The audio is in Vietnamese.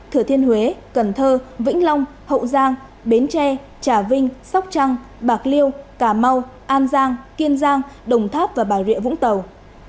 thừa thiên huế cần thơ vĩnh long hậu giang bến tre trà vinh sóc trăng bạc liêu cà mau an giang kiên giang đồng tháp và bà rịa vũng tàu